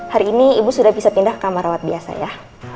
hari ini ibu sudah bisa pindah ke kamar rawat biasa ya